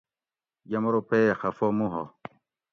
یمرو پے خفہ مو ھو